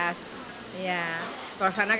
kalau sana kan rempahnya tajam kalau ini kan tidak